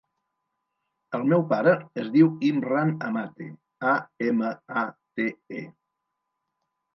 El meu pare es diu Imran Amate: a, ema, a, te, e.